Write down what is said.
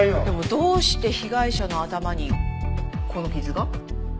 でもどうして被害者の頭にこの傷が？